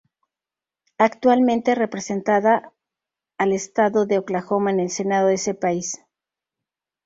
Actualmente representada al estado de Oklahoma en el Senado de ese país.